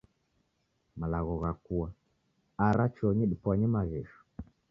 Malagho ghakua. Ara chonyi dipwanye maghesho.